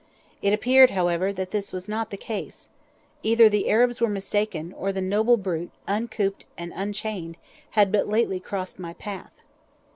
It appeared, however, that this was not the case. Either the Arabs were mistaken, or the noble brute, uncooped and unchained, had but lately crossed my path.